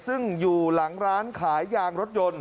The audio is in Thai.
ซึ่งอยู่หลังร้านขายยางรถยนต์